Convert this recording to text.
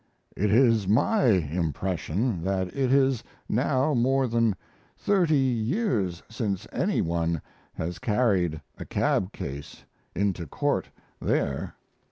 It is my impression that it is now more than thirty years since any one has carried a cab case into court there.